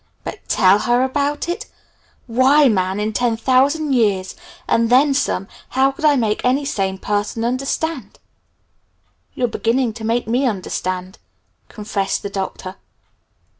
But, 'tell her about it'? Why, man, in ten thousand years, and then some, how could I make any sane person understand?" "You're beginning to make me understand," confessed the Doctor.